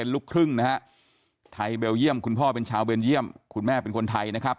ลูกครึ่งนะฮะไทยเบลเยี่ยมคุณพ่อเป็นชาวเบลเยี่ยมคุณแม่เป็นคนไทยนะครับ